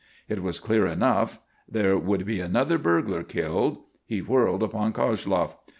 It was clear enough. There would be another burglar killed. He wheeled upon Koshloff.